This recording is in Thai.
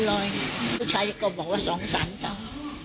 ลูกชายก็บอกว่าสองสันกัน